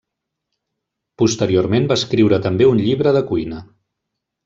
Posteriorment va escriure també un llibre de cuina.